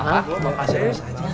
bapak aja dulu saja